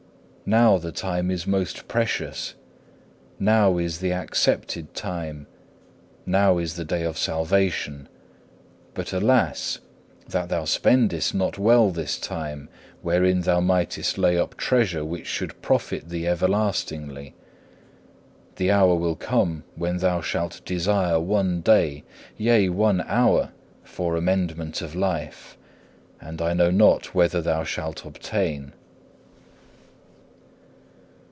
Now the time is most precious. Now is the accepted time, now is the day of salvation. But alas! that thou spendest not well this time, wherein thou mightest lay up treasure which should profit thee everlastingly. The hour will come when thou shalt desire one day, yea, one hour, for amendment of life, and I know not whether thou shalt obtain.